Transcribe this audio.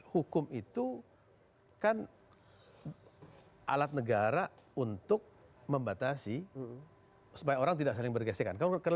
hukum itu kan alat negara untuk membatasi supaya orang tidak saling bergesekan